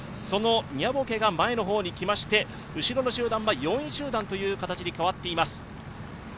そのニャボケが前に出てきまして後ろの集団は４位集団という形に変わっています